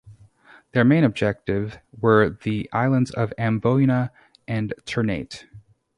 Their main objective were the islands of Amboyna and Ternate.